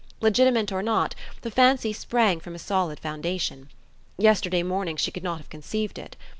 Legitimate or not, the fancy sprang from a solid foundation. Yesterday morning she could not have conceived it.